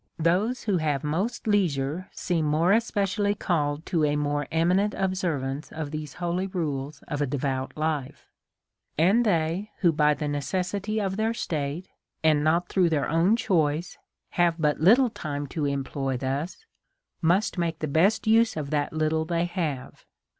Those who have most leisure seem more especially called to a more eminent observance of these holy rules of a devout life. And they who, by the necessi ty of their state, and not through their own choice, have but little time to employ thus, must make the best use of that little they have.